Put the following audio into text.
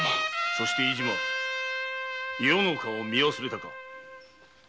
そして飯島余の顔を見忘れたか？